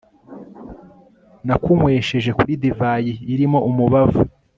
nakunywesheje kuri divayi irimo umubavu